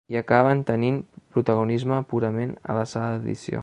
I acaben tenint protagonisme purament a la sala d’edició.